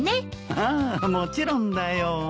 ああもちろんだよ。